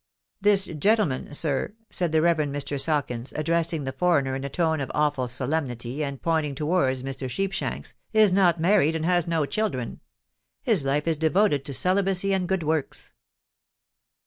"This gentleman, sir," said the Reverend Mr. Sawkins, addressing the foreigner in a tone of awful solemnity, and pointing towards Mr. Sheepshanks, "is not married and has no children. His life is devoted to celibacy and good works."